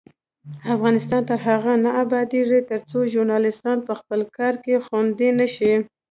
افغانستان تر هغو نه ابادیږي، ترڅو ژورنالیستان په خپل کار کې خوندي نشي.